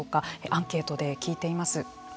アンケートで聞いています。